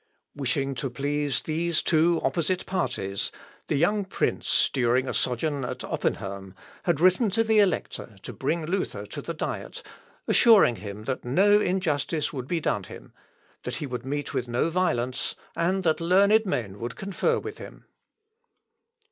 Wishing to please these two opposite parties, the young prince, during a sojourn at Oppenherm, had written to the Elector to bring Luther to the Diet, assuring him that no injustice would be done him, that he would meet with no violence, and that learned men would confer with him.